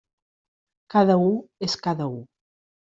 Cada u és cada u.